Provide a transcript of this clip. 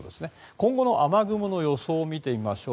今後の雨雲の予想を見てみましょう。